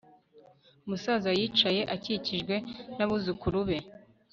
umusaza yicaye akikijwe n'abuzukuru be